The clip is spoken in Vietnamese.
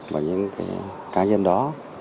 và những cái cá nhân đó